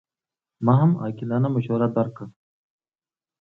ما هم عاقلانه مشوره درکړه.